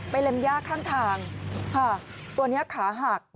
ไปเล็มยากข้างทางตัวนี้ขาหัก